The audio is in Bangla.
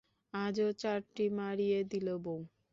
আজও চারটিা মাড়িয়ে দিলে বৌ!